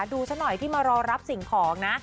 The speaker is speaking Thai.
ซะหน่อยที่มารอรับสิ่งของนะ